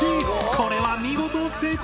これは見事成功！